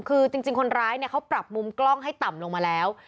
คือจริงคนร้ายเนี่ยเขาปรับมุมกล้องให้ต่ำลงมาแล้ว